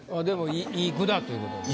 いい句だということですね。